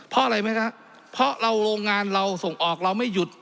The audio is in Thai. เพราะอะไรไหมครับเพราะเราโรงงานเราส่งออกเราไม่หยุด